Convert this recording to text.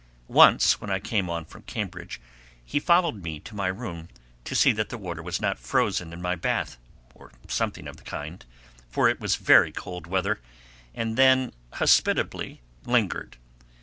Once when I came on from Cambridge he followed me to my room to see that the water was not frozen in my bath, or something of the kind, for it was very cold weather, and then hospitably lingered.